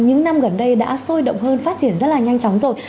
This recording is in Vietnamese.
những năm gần đây đã sôi động hơn phát triển rất là nhanh chóng rồi